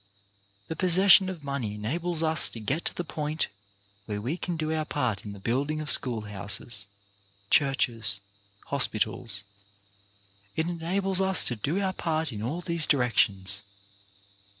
The possession of money enables us to get to the point where we can do our part in the build ing of school houses, churches, hospitals; it en ables us to do our part in all these directions.